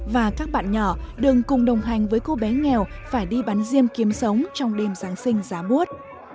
và các bạn nhỏ đừng cùng đồng hành với cô bé nghèo phải đi bán riêng kiếm sống trong đêm giáng sinh giá muốt